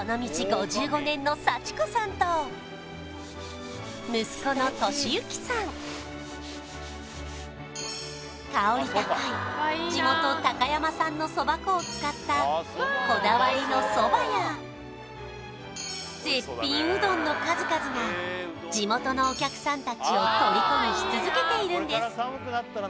５５年の幸子さんと香り高い地元・高山産のそば粉を使ったこだわりのそばや絶品うどんの数々が地元のお客さんたちを虜にし続けているんです